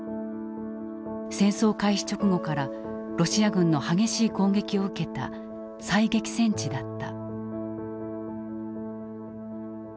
戦争開始直後からロシア軍の激しい攻撃を受けた最激戦地だった。